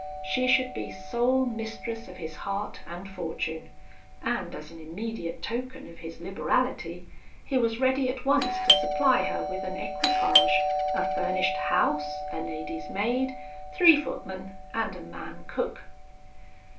She should be sole mistress of his heart and fortune; and as an immediate token of his liberality, he was ready at once to supply her with an equipage, a furnished house, a lady's maid, three footmen, and a man cook.